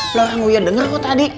loh orang uya denger kok tadi